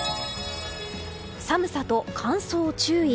寒さと乾燥注意。